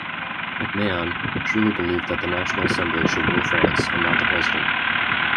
MacMahon truly believed that the National Assembly should rule France and not the president.